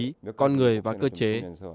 người con người và cơ chế